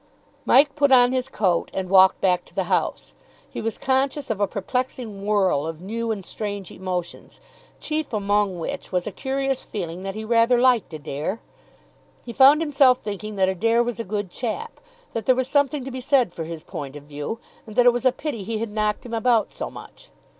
Mike put on his coat and walked back to the house. He was conscious of a perplexing whirl of new and strange emotions, chief among which was a curious feeling that he rather liked Adair. He found himself thinking that Adair was a good chap, that there was something to be said for his point of view, and that it was a pity he had knocked him about so much.